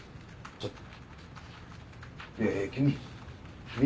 ちょっと。